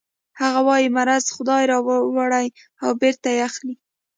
هغه وايي مرض خدای راوړي او بېرته یې اخلي